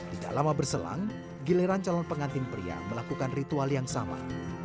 tidak lama berselang giliran calon pengantin pria melakukan ritual yang sama